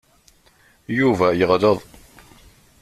Yuba yeɣleḍ.